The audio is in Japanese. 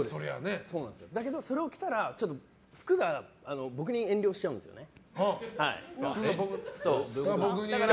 だけどそれを着たら服が僕に遠慮しちゃうんですよね。